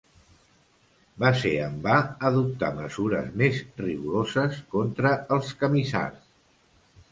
Va ser en va adoptar mesures més rigoroses contra els Camisards.